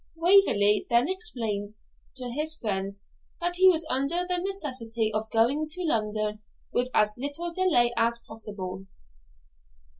Waverley then explained to his friends that he was under the necessity of going to London with as little delay as possible.